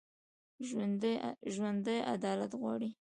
ژوندي عدالت غواړي